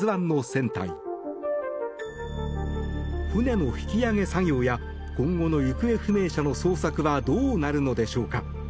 船の引き揚げ作業や今後の行方不明者の捜索はどうなるのでしょうか。